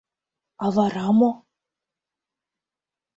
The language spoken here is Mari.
— А вара мо?